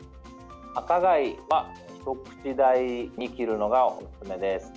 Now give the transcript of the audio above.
赤貝は一口大に切るのがおすすめです。